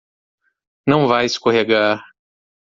Não vai escorregar